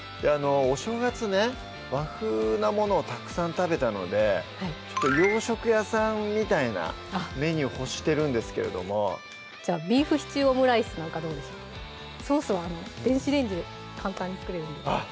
お正月ね和風なものをたくさん食べたので洋食屋さんみたいなメニューを欲してるんですけれどもじゃあ「ビーフシチューオムライス」なんかどうでしょうソースは電子レンジで簡単に作れるんであっ！